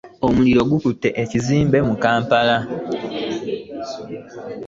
Omuliro gukutte ekizimbe mu kampala.